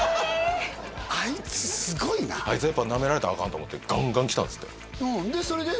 あいつすごいなあいつやっぱなめられたらあかんと思ってガンガン来たんですってでそれで？